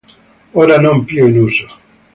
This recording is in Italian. Ora non più in uso.